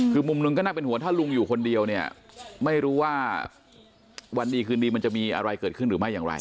คือมุมหนึ่งก็น่าเป็นห่วงถ้าลุงอยู่คนเดียวเนี่ยไม่รู้ว่าวันดีคืนดีมันจะมีอะไรเกิดขึ้นหรือไม่อย่างไร